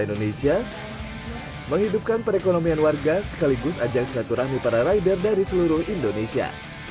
indonesia menghidupkan perekonomian warga sekaligus ajak silaturahmi para rider dari seluruh indonesia